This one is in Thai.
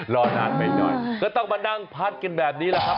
รอนานไม่น้อยก็ต้องมานั่งพัดกันแบบนี้แหละครับ